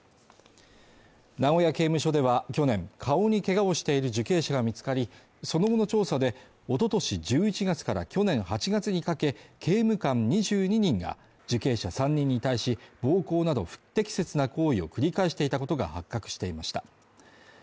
名古屋刑務所では、去年顔にけがをしている受刑者が見つかり、その後の調査でおととし１１月から去年８月にかけ、刑務官２２人が受刑者３人に対し、暴行など不適切な行為を繰り返していたことが発覚していました。